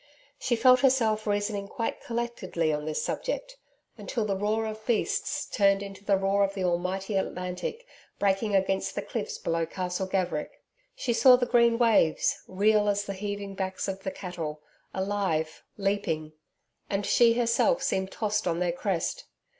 She felt herself reasoning quite collectedly on this subject, until the roar of beasts turned into the roar of the mighty Atlantic, breaking against the cliffs below Castle Gaverick.... She saw the green waves real as the heaving backs of the cattle alive, leaping.... And she herself seemed tossed on their crest...